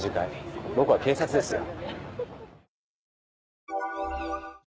僕は警察ですよ。